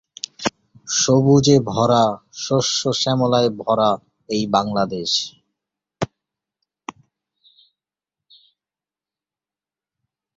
ছবিটি পরিচালনা করেছেন আজিজ মির্জা।